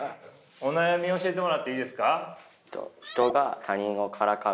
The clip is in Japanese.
お悩み教えてもらっていいですか？